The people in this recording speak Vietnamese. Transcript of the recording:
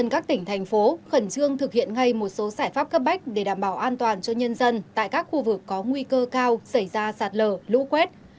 các tỉnh thành phố khẩn trương thực hiện ngay một số giải pháp cấp bách để đảm bảo an toàn cho nhân dân tại các khu vực có nguy cơ cao xảy ra sạt lở lũ quét